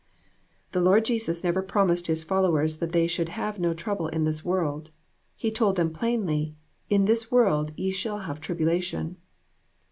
"The Lord Jesus never promised his followers that they should have no trouble in this world. He told them plainly 'In the world ye shall have tribulation